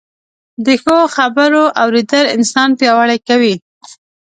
د ښو خبرو اورېدل انسان پياوړی کوي